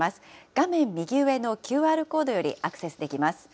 画面右上のＱＲコードよりアクセスできます。